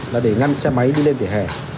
là để ngăn xe máy đi lên vỉa hè